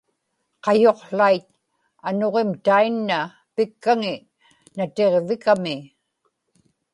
qayuqłait anuġim tainna pikkaŋi natiġvikami